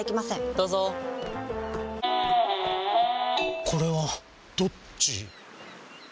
どうぞこれはどっち？